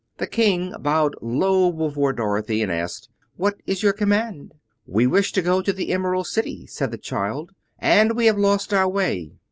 The King bowed low before Dorothy, and asked, "What is your command?" "We wish to go to the Emerald City," said the child, "and we have lost our way."